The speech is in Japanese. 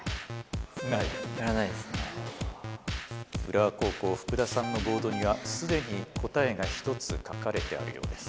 浦和高校福田さんのボードには既に答えが１つ書かれてあるようです。